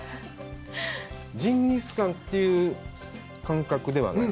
ジンギスカンという感覚ではない。